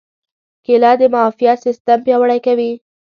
کېله د معافیت سیستم پیاوړی کوي.